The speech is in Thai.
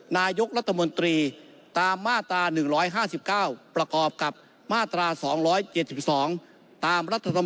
นายกรัฐมนตรีตามมาตรา๑๕๙ปรากอบกับมาตรา๒๗๒